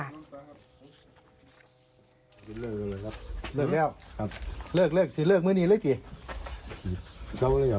เลิกแล้วครับเลิกแล้วครับเลิกเลิกซิเลิกเมื่อนี้เลยจิ